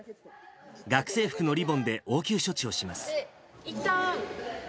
学生服のリボンで応急処置をします。